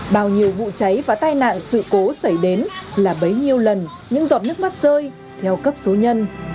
bao nhiêu vụ cháy và tai nạn sự cố xảy đến là bấy nhiêu lần những giọt nước mắt rơi theo cấp số nhân